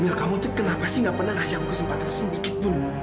mil kamu tuh kenapa sih nggak pernah ngasih aku kesempatan sedikit pun